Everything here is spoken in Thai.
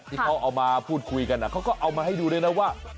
ที่เขาเอามาพูดคุยกันเขาก็เอามาให้ดูด้วยนะว่า